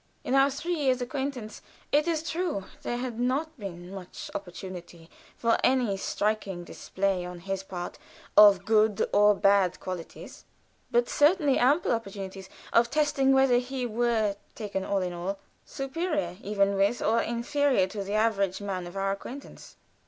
In our three years' acquaintance, it is true, there had not been much opportunity for any striking display on his part of good or bad qualities; but certainly ample opportunity of testing whether he were, taken all in all, superior, even with, or inferior to the average man of our average acquaintance.